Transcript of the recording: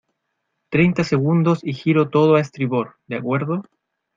treinta segundos y giro todo a estribor, ¿ de acuerdo?